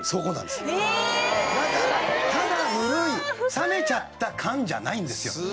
冷めちゃった燗じゃないんですよ。